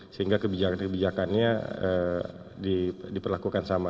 sehingga kebijakannya diperlakukan sama